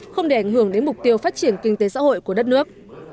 không để ảnh hưởng đến mục tiêu phát triển kinh tế xã hội của đất nước